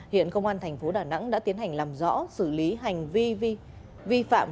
hiện công an thành phố đà nẵng đã tiến hành làm rõ xử lý hành vi vi phạm